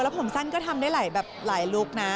แล้วผมสั้นก็ทำได้หลายแบบหลายลุคนะ